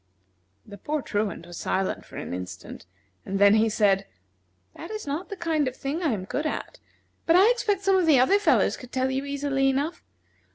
The poor Truant was silent for an instant, and then he said: "That is not the kind of thing I am good at, but I expect some of the other fellows could tell you easily enough.